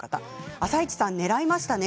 「あさイチ」さんねらいましたね。